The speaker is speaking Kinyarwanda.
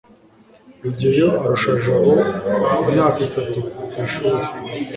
rugeyo arusha jabo imyaka itatu ku ishuri